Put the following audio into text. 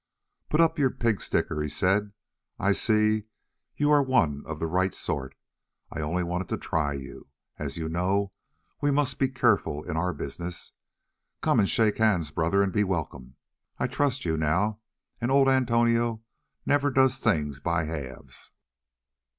"Put up your pig sticker," he said; "I see you are one of the right sort. I only wanted to try you. As you know, we must be careful in our business. Come and shake hands, brother, and be welcome. I trust you now, and old Antonio never does things by halves."